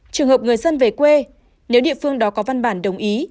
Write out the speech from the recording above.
trường hợp người dân về quê nếu địa phương đó có văn bản đồng ý